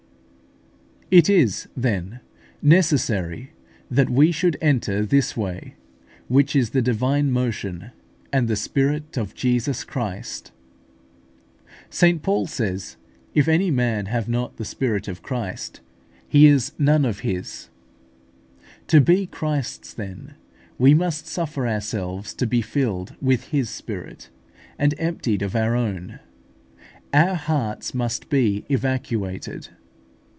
It is, then, necessary that we should enter this way, which is the divine motion, and the Spirit of Jesus Christ. St Paul says, "If any man have not the Spirit of Christ, he is none of His" (Rom. viii. 9). To be Christ's, then, we must suffer ourselves to be filled with His Spirit, and emptied of our own: our hearts must be evacuated.